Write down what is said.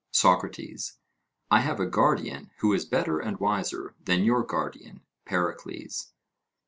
SOCRATES: I have a guardian who is better and wiser than your guardian, Pericles.